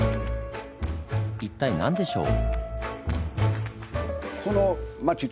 一体何でしょう？